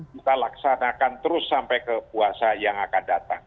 kita laksanakan terus sampai ke puasa yang akan datang